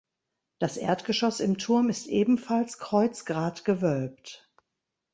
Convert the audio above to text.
Das Erdgeschoss im Turm ist ebenfalls kreuzgratgewölbt.